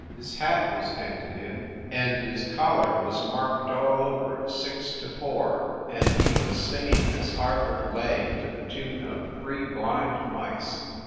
His hat was dented in and his collar was 246 FIND THE WOMAN marked all over "6 to 4," and he was singing his Harvard lay to the tune of "Three Blind Mice."